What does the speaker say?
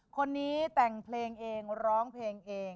คนนี้แต่งเพลงเองร้องเพลงเอง